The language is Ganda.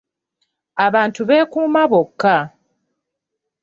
Abantu beekuuma bokka.